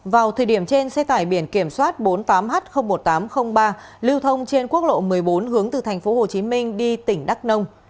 vào thời điểm trên xe tải biển kiểm soát bốn mươi tám h một nghìn tám trăm linh ba lưu thông trên quốc lộ một mươi bốn hướng từ tp hcm đi tỉnh đắk nông